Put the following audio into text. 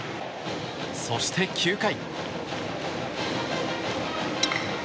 そして、９回。